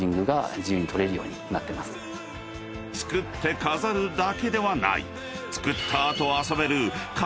［作って飾るだけではない］